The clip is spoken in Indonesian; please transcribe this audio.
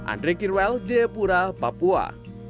andre kirwel jayapura papua